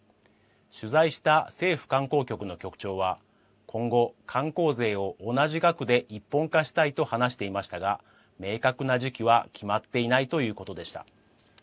取材した政府観光局の局長は今後、観光税を同じ額で一本化したいと話していましたが明確な時期は決まっていないということでした。